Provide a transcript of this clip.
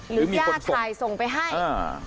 หรือย่าถ่ายส่งไปให้